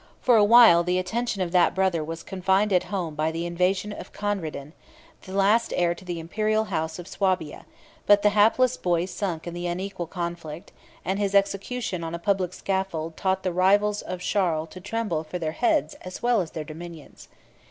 For a while the attention of that brother was confined at home by the invasion of Conradin, the last heir to the imperial house of Swabia; but the hapless boy sunk in the unequal conflict; and his execution on a public scaffold taught the rivals of Charles to tremble for their heads as well as their dominions.